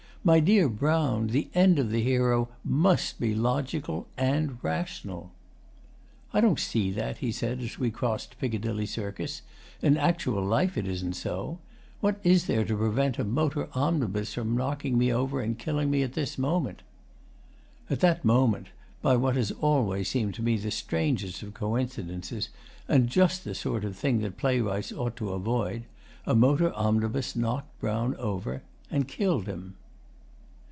My dear Brown, the end of the hero MUST be logical and rational.' 'I don't see that,' he said, as we crossed Piccadilly Circus. 'In actual life it isn't so. What is there to prevent a motor omnibus from knocking me over and killing me at this moment?' At that moment, by what has always seemed to me the strangest of coincidences, and just the sort of thing that playwrights ought to avoid, a motor omnibus knocked Brown over and killed him.